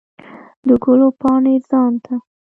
د ګلو پاڼې ځان ته